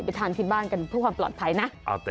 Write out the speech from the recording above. ทานที่บ้านกันเพื่อความปลอดภัยนะ